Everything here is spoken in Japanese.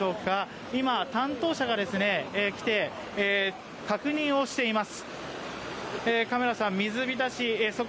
今、担当者が来て、確認をしています。